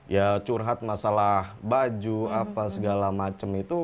ya curhat masalah baju apa segala macam itu